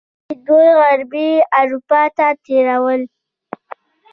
چې دوی غربي اروپا ته تیرول.